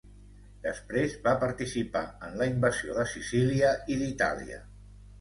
Després va participar en la invasió de Sicília i d'Itàlia.